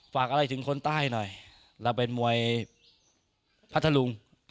ฝากอะไรถึงคนใต้หน่อยเราเป็นมวยพัทธลุง